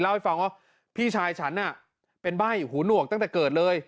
ให้ฟังว่าพี่ชายฉันน่ะเป็นใบ้หูหนวกตั้งแต่เกิดเลย